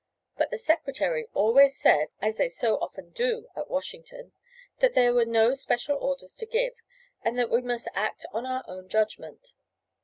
But the Secretary always said, as they so often do at Washington, that there were no special orders to give, and that we must act on our own judgment.